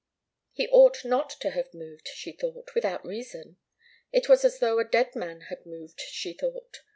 He ought not to have moved, she thought, without reason. It was as though a dead man had moved, she thought.